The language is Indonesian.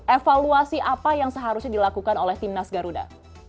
evaluasi apa yang seharusnya dilakukan oleh tim nas garuda